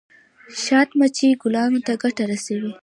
شات مچۍ ګلانو ته ګټه رسوي